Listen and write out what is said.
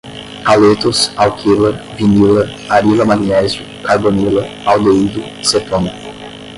haletos, alquila, vinila, arila-magnésio, carbonila, aldeído, cetona